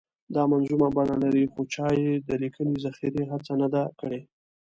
دا منظومه بڼه لري خو چا یې د لیکلې ذخیرې هڅه نه ده کړې.